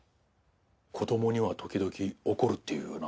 子供には時々起こるっていうよな。